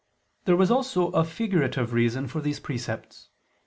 There was also a figurative reason for these precepts.